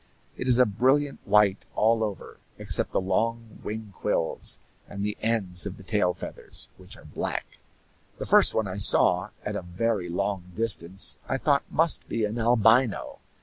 It is a brilliant white, all over, except the long wing quills and the ends of the tail feathers, which are black. The first one I saw, at a very long distance, I thought must be an albino.